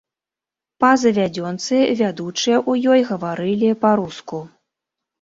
Па завядзёнцы, вядучыя ў ёй гаварылі па-руску.